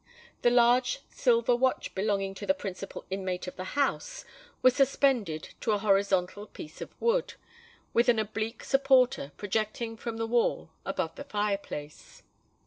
The large silver watch belonging to the principal inmate of the house was suspended to a horizontal piece of wood, with an oblique supporter, projecting from the wall above the fire place.